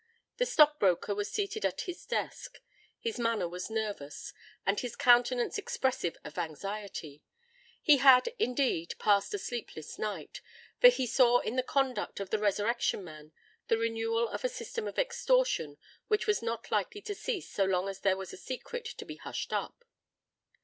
The stock broker was seated at his desk. His manner was nervous, and his countenance expressive of anxiety: he had, indeed, passed a sleepless night—for he saw in the conduct of the Resurrection Man the renewal of a system of extortion which was not likely to cease so long as there was a secret to be hushed up.